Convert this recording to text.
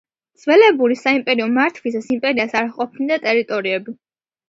ძველებური საიმპერიო მართვისათვის იმპერიას არ ჰყოფნიდა ტერიტორიები.